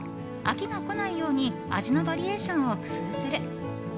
飽きがこないように味のバリエーションを工夫する。